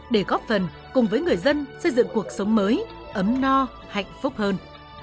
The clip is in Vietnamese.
để góp phần cùng với người dân xây dựng cuộc sống mới ấm no hạnh phúc hơn